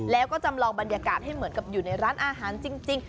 แล้วก็จำลองบรรยากาศให้เหมือนกับอยู่ในร้านอาหารจริง